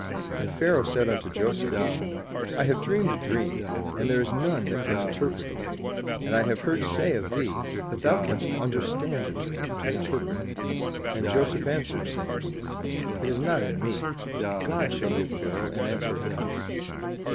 And Pharaoh said unto Joseph, "I have dreamed a dream, and there is none that can interpret it: and I have heard say of thee, that thou canst under stand a dream to interpret it.'' And Joseph answered, saying, '*It is not in me: God shall give Pharaoh an answer of peace."